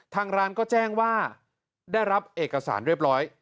ทางร้านก็แจ้งว่าได้รับเอกสารเรียบร้อย